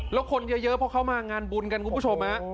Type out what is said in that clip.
แล้วคนเยอะเพราะเขามางานบุญกันคุณผู้ชม